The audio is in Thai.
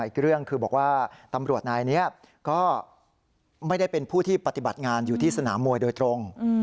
อีกเรื่องคือบอกว่าตำรวจนายนี้ก็ไม่ได้เป็นผู้ที่ปฏิบัติงานอยู่ที่สนามมวยโดยตรง